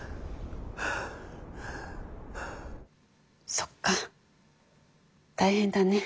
そっか大変だね。